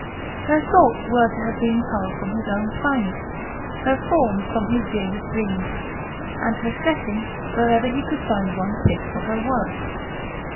Her thoughts were to have been culled from his own finest, her form from his dearest dreams, and her setting wherever he could find one fit for her worth.